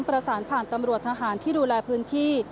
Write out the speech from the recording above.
ประสานผ่านตำรวจทหารที่ดูแลพื้นที่